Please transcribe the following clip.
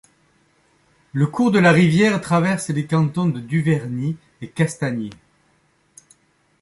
Le cours de la rivière traverse les cantons de Duverny et Castagnier.